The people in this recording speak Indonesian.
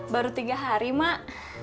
baru tiga hari mak